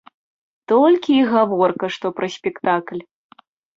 Толькі й гаворка што пра спектакль.